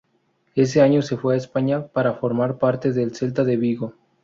Ese año se fue a España para formar parte del Celta de Vigo.